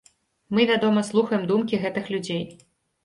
Мы, вядома, слухаем думкі гэтых людзей.